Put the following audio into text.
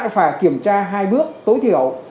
phải kiểm tra hai bước tối thiểu